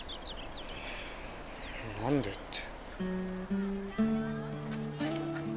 「何で」って。